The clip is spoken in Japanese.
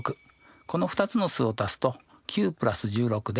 この２つの数を足すと９＋１６で２５。